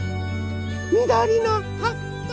みどりのはっぱ。